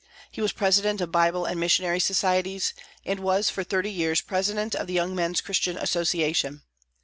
He was President of Bible and Missionary Societies, and was for thirty years President of the Young Men's Christian Association.